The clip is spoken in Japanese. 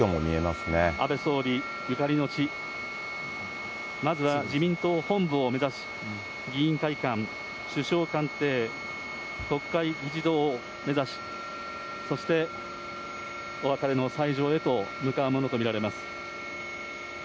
安倍総理ゆかりの地、まずは自民党本部を目指し、議員会館、首相官邸、国会議事堂を目指し、そしてお別れの斎場へと向かうものと見られます。